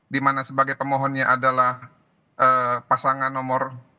dimana sebagai pemohonnya adalah pasangan nomor